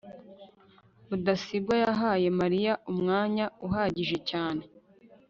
rudasingwa yahaye mariya umwanya uhagije cyane